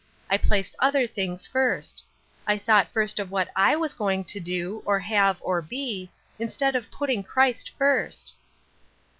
I placed other things first. I thought first of what /was going to do, or have, or be, instead of putting Christ first."